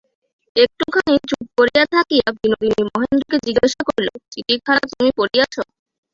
একটুখানি চুপ করিয়া থাকিয়া বিনোদিনী মহেন্দ্রকে জিজ্ঞাসা করিল, চিঠিখানা তুমি পড়িয়াছ?